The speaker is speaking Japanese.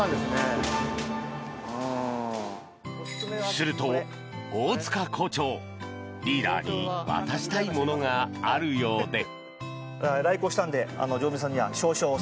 すると大塚校長、リーダーに渡したいものがあるようで。